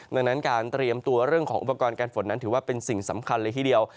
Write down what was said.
ดังนั้นการเตรียมตัวเรื่องของอุปกรณ์การฝนนั้นถือว่าเป็นสิ่งสำคัญเลยทีเดียว